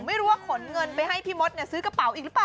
ไม่รู้ว่าขนเงินไปให้พี่มดซื้อกระเป๋าอีกหรือเปล่า